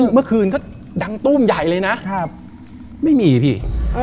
เมื่อคืนก็ดังตู้มใหญ่เลยนะไม่มีพี่